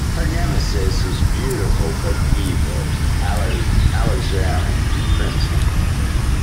Her nemesis is beautiful but evil Alizarin Crimson.